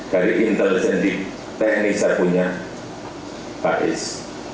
dari intelijen di teknik saya punya ais